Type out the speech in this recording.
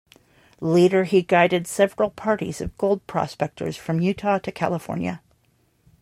Later he guided several parties of gold prospectors from Utah to California.